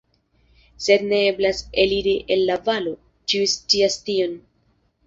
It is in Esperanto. Sed ne eblas eliri el la valo, ĉiu scias tion.